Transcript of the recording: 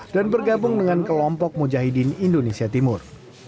dan bergabung dengan kelompok mujahidin indonesia timur